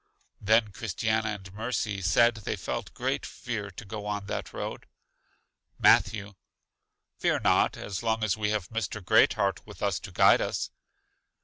Then Christiana and Mercy said they felt great fear to go on that road. Matthew: Fear not, as long as we have Mr. Great heart with us to guide us.